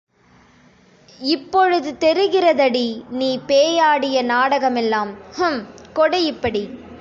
இப்பொழுது தெரிகிறதடி நீ பேயாடிய நாடகமெல்லாம், ஹும் கொடு இப்படி.